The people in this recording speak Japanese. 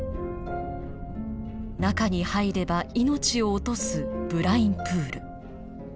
中に入れば命を落とすブラインプール。